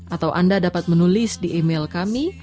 atau anda dapat menulis di email kami